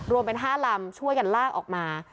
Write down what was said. รวมเป็น๕ลำช่วยกันลากออกมา